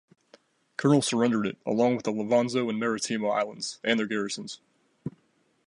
Colonel surrendered it along with Levanzo and Marittimo Islands and their garrisons.